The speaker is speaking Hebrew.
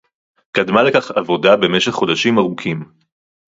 קדמה לכך עבודה במשך חודשים ארוכים